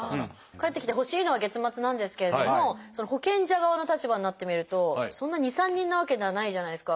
返ってきてほしいのは月末なんですけれども保険者側の立場になってみるとそんな２３人なわけじゃないじゃないですか